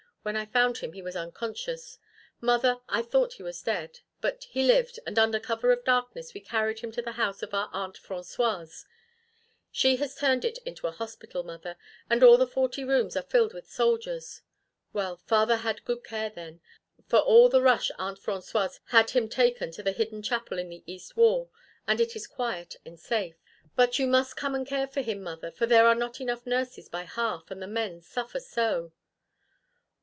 When I found him he was unconscious. Mother, I thought he was dead. But he lived, and under cover of darkness we carried him to the house of our Aunt Francoise. She has turned it into a hospital, mother, and all the forty rooms are filled with soldiers. Well, father had good care then, for all the rush Aunt Francoise had him taken to the hidden chapel in the east wall, and it is quiet and safe. But you must come and care for him, mother, for there are not enough nurses by half, and the men suffer so."